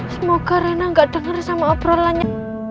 semoga rena gak denger sama obrolannya